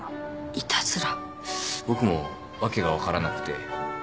僕も訳が分からなくて。